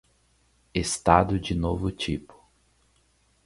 Estado de novo tipo